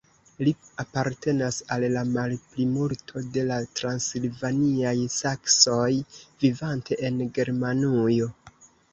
Li apartenas al la malplimulto de la transilvaniaj saksoj vivante en Germanujo.